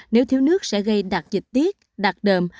nếu thiếu nước sẽ gây đạt dịch tiết đặt đờm